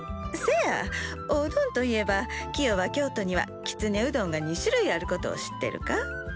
せやおうどんといえばキヨは京都にはきつねうどんが２種類あることを知ってるか？